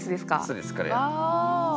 そうですこれ。